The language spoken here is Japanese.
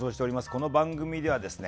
この番組ではですね